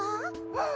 うん。